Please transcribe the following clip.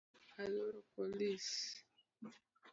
Aluoro polis